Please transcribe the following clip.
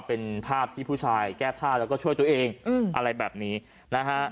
เป็นภาพที่ผู้ชายแก้ผ้าแล้วก็ช่วยตัวเองอะไรแบบนี้นะฮะ